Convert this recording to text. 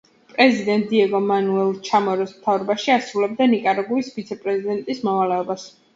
პრეზიდენტ დიეგო მანუელ ჩამოროს მთავრობაში ასრულებდა ნიკარაგუის ვიცე-პრეზიდენტის მოვალეობას.